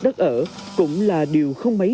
đất ở cũng là điều không mấy